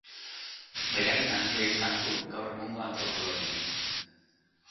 Eragin handia izan du gaur egungo antropologian.